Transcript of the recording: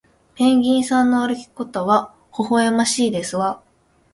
ペンギンさんの歩き方はほほえましいですわ